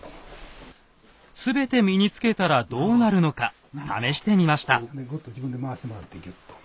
全て身につけたらどうなるのか試してみました。